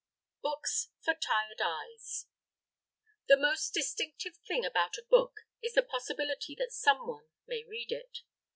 BOOKS FOR TIRED EYES The most distinctive thing about a book is the possibility that someone may read it.